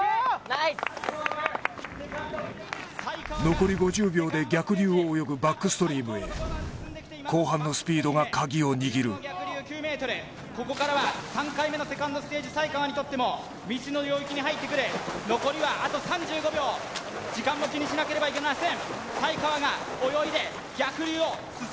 残り５０秒で逆流を泳ぐバックストリームへ後半のスピードがカギを握るここからは３回目のセカンドステージ才川にとっても未知の領域に入ってくる残りはあと３５秒時間も気にしなければいけません